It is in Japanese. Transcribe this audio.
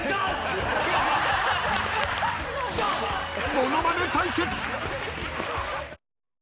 ものまね対決。